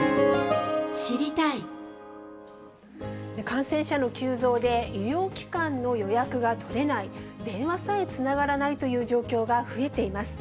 感染者の急増で、医療機関の予約が取れない、電話さえつながらないという状況が増えています。